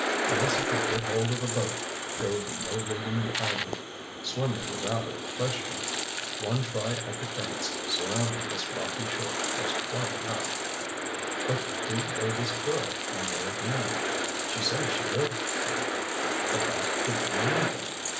Unless he could get hold of a boat, there would be no leaving the island. Swimming was out of the question. One try at the currents surrounding this rocky shore was quite enough. But who were this girl and the old man? She said she lived here—but that could mean anything.